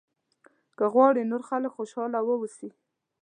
که غواړې نور خلک خوشاله واوسي.